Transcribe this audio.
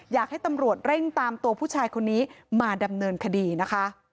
อยากให้ตำรวจเร่งตามตัวผู้ชายคนนี้มาดำเนินคดีนะคะ